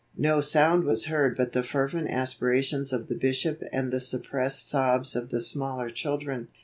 No sound was heard but the fervent aspirations of the Bishop and the suppressed sobs of the smaller children.